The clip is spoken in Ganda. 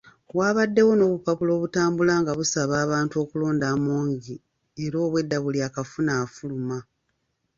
Waabaddewo n’obupapula obutambula nga busaba abantu okulonda Among era obwedda buli akafuna afuluma.